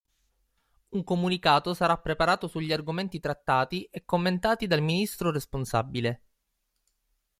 Un comunicato sarà preparato sugli argomenti trattati e commentati dal ministro responsabile.